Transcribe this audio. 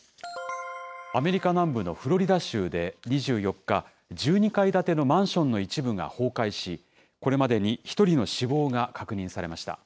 アメリカ南部のフロリダ州で２４日、１２階建てのマンションの一部が崩壊し、これまでに１人の死亡が確認されました。